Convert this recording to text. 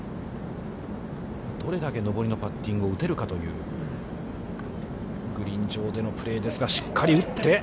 どれだけ上りのパッティングを打てるかというグリーン上でのプレーですが、しっかり打って。